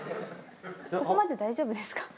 ここまで大丈夫ですか？